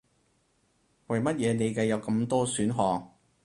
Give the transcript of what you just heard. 為乜嘢你嘅有咁多選項